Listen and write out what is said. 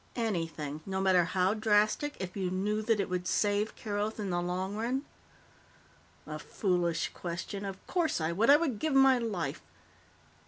Anything, no matter how drastic, if you knew that it would save Keroth in the long run?" "A foolish question. Of course I would. I would give my life."